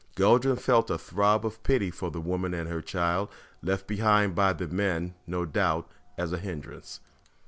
Guldran felt a throb of pity for the woman and her child, left behind by the men, no doubt, as a hindrance.